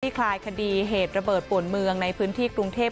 คลายคดีเหตุระเบิดปวดเมืองในพื้นที่กรุงเทพ